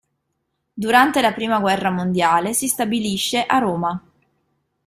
Durante la Prima guerra mondiale si stabilisce a Roma.